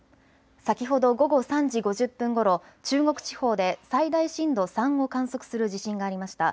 先ほど午後３時５０分ごろ中国地方で最大震度３を観測する地震がありました。